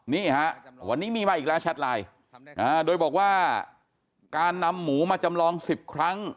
นี่ฮะวันนี้มีมาอีกแล้วแชทไลน์โดยบอกว่าการนำหมูมาจำลอง๑๐ครั้ง